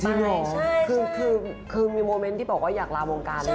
จริงเหรอคือมีโมเม้นท์ที่บอกว่าอยากลาวงการเลยเหรอ